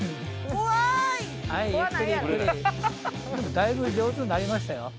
だいぶ上手になりましたよ。